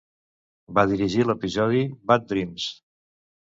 Va dirigir l'episodi "Bad Dreams".